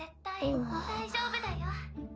大丈夫だよ。